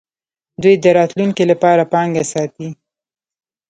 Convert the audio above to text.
دوی د راتلونکي لپاره پانګه ساتي.